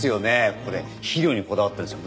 これ肥料にこだわってるんですよ。